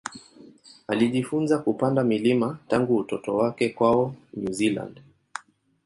Alijifunza kupanda milima tangu utoto wake kwao New Zealand.